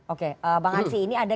oke bang ansyi ini ada